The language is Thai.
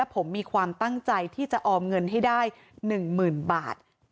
ผมมีความตั้งใจที่จะออมเงินให้ได้๑๐๐๐บาท